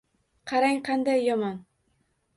Qarang, qanday yomon!